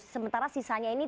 sementara sisanya ini tidak ada